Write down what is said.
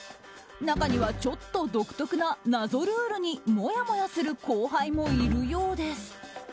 中にはちょっと独特な謎ルールにもやもやする後輩もいるようです。